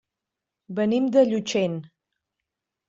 Venim de Llutxent.